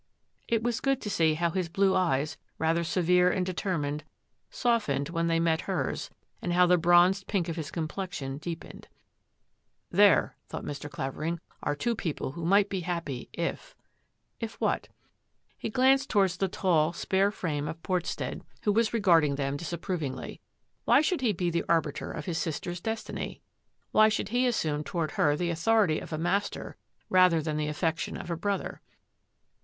It was good to see how his blue eyes, rather severe and determined, softened when they met hers an how the bronzed pink of his complexion deepenec " There," thought Mr. Clavering, " are two pe< people who might be happy, if —" If what? He glanced toward the tall, spare fram^ Portstead, who was regarding them disapr MR. ROBERT SYLVESTER 87 ingly. Why should he be the arbiter of his sister's destiny? Why should he assume toward her the authority of a master rather than the affection of a brother?